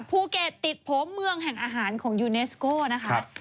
ภูเก็ตติดผมเมืองแห่งอาหารของยูเนสโก้นะคะ